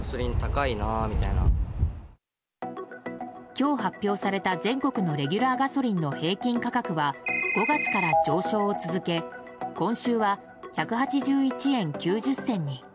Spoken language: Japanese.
今日発表された、全国のレギュラーガソリンの平均価格は５月から上昇を続け今週は１８１円９０銭に。